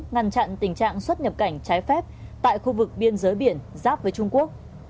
ngăn chặn tình trạng xuất nhập cảnh trái phép tại khu vực biên giới biển giáp với trung quốc